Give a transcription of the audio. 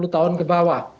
empat puluh tahun ke bawah